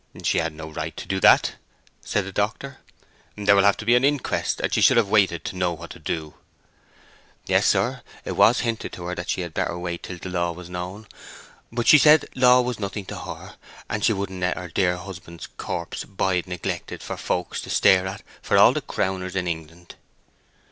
"She had no right to do that," said the doctor. "There will have to be an inquest, and she should have waited to know what to do." "Yes, sir; it was hinted to her that she had better wait till the law was known. But she said law was nothing to her, and she wouldn't let her dear husband's corpse bide neglected for folks to stare at for all the crowners in England."